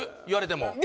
言われても。